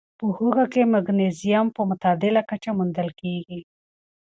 په هوږه کې مګنيزيم په معتدله کچه موندل کېږي.